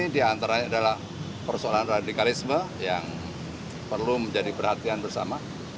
diantaranya adalah persoalan radikalisme yang perlu menjadi perhatian bersama